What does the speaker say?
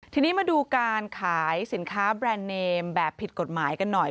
ทีนี้มาดูการขายสินค้าแบรนด์เนมแบบผิดกฎหมายกันหน่อย